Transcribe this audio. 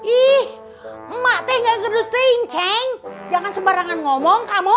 ih mak teh nggak gedutin ceng jangan sebarangan ngomong kamu